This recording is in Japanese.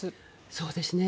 そうですね。